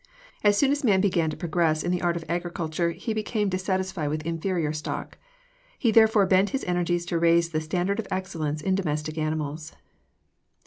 As soon as man began to progress in the art of agriculture he became dissatisfied with inferior stock. He therefore bent his energies to raise the standard of excellence in domestic animals.